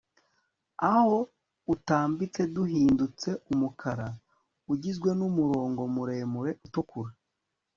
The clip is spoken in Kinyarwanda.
aho utambitse duhindutse umukara, ugizwe n'umurongo muremure utukura